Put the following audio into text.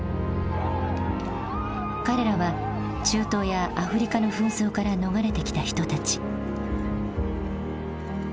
彼らは中東やアフリカの紛争から逃れてきた人たち。